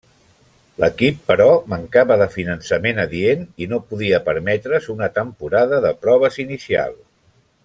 L'equip, però, mancava de finançament adient i no podia permetre's una temporada de proves inicial.